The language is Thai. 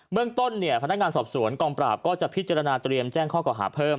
เมืองต้นเนี่ยพนักงานสอบสวนกองปราบก็จะพิจารณาเตรียมแจ้งข้อเก่าหาเพิ่ม